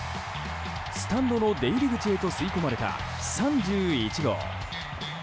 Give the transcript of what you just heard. スタンドの出入り口へと吸い込まれた、３１号。